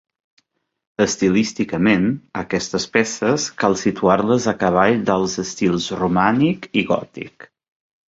Estilísticament, aquestes peces cal situar-les a cavall dels estils romànic i gòtic.